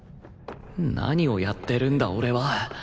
何をやってるんだ俺は。